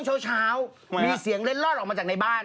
เช้ามีเสียงเล็ดลอดออกมาจากในบ้าน